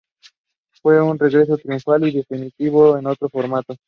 Fue un regreso triunfal y definitivo, en otro formato.